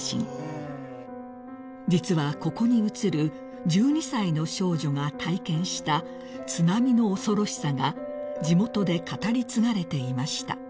［実はここに写る１２歳の少女が体験した津波の恐ろしさが地元で語り継がれていました］